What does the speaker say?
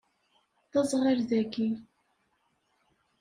D azɣal dagi.